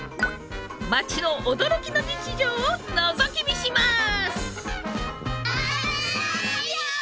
町の驚きの日常をのぞき見します！